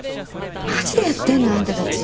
マジでやってんの？あんたたち。